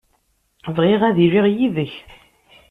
Bɣiɣ ad iliɣ yid-k.